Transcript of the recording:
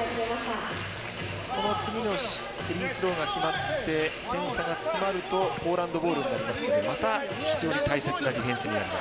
この次のフリースローが決まって点差が詰まるとポーランドボールになりますのでまた、非常に大切なディフェンスになります。